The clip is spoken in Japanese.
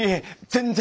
全然！